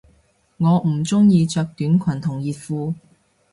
我唔鍾意着短裙同熱褲